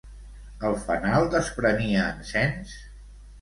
El fanal desprenia encens?